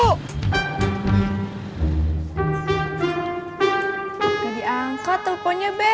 gak diangkat teleponnya be